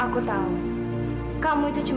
aku rasa itu cukup